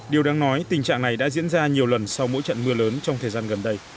điều đáng nói tình trạng này đã diễn ra nhiều lần sau mỗi trận mưa lớn trong thời gian gần đây